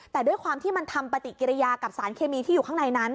แต่ด้วยความที่มันทำปฏิกิริยากับสารเคมีที่อยู่ข้างในนั้น